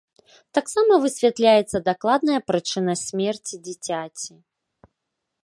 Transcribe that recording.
Таксама высвятляецца дакладная прычына смерці дзіцяці.